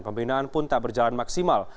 pembinaan pun tak berjalan maksimal